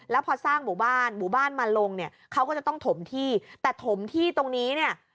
แล้วพอสร้างหมู่บ้านหมู่บ้านมาลงเนี่ยเขาก็จะต้องถมที่แต่ถมที่ตรงนี้เนี่ย